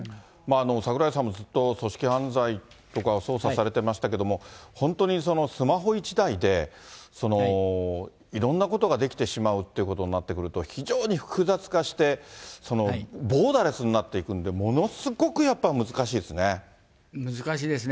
櫻井さんもずっと組織犯罪とか捜査されてましたけど、本当にスマホ一台で、いろんなことができてしまうってことになってくると、非常に複雑化して、ボーダレスになっていくので、ものすごくやっぱり難しいですね。